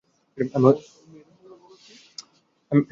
আমি হতভম্ব হয়ে গেলাম, আজই সকালে মাত্র ডাক্তার দেখিয়ে আসলাম আমরা।